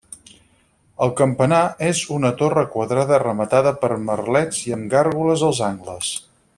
El campanar és una torre quadrada rematada per merlets i amb gàrgoles als angles.